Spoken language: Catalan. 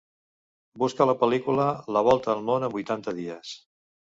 Busca la pel·lícula "La volta al món en vuitanta dies".